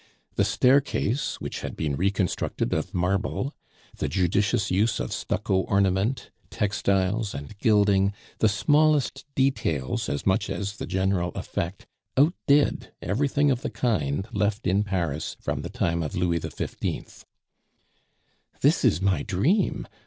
The staircase, which had been reconstructed of marble, the judicious use of stucco ornament, textiles, and gilding, the smallest details as much as the general effect, outdid everything of the kind left in Paris from the time of Louis XV. "This is my dream!